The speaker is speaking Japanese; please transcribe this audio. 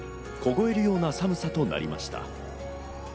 凍えるような寒さとなりました。